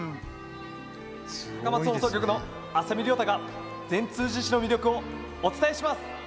高松放送局の浅見諒太が善通寺市の魅力をお伝えします！